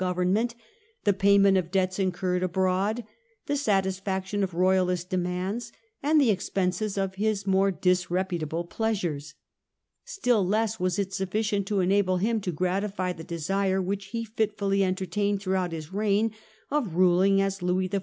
government, the payment of debts incurred abroad, the satisfaction of royalist demands, and the ex penses of his more disreputable pleasures. Still less was it sufficient to enable him to gratify the desire which he fitfully entertained throughout his reign of ruling as Louis XIV.